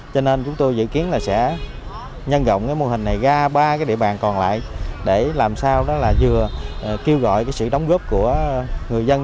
cho nên chúng tôi dự kiến là sẽ nhân rộng cái mô hình này ra ba cái địa bàn còn lại để làm sao đó là vừa kêu gọi cái sự đóng góp của người dân